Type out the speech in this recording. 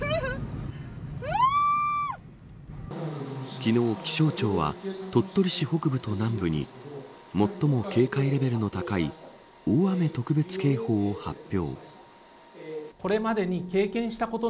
昨日、気象庁は鳥取市北部と南部に最も警戒レベルの高い大雨特別警報を発表。